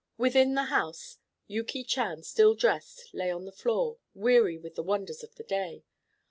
Within the house Yuki Chan, still dressed, lay on the floor, weary with the wonders of the day.